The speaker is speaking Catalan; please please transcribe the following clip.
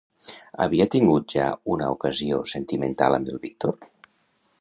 Havia tingut ja una ocasió sentimental amb el Víctor?